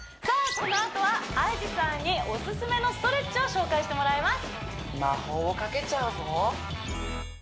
このあとはＩＧさんにオススメのストレッチを紹介してもらいます